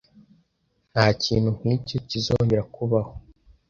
Ntakintu nkicyo kizongera kubaho.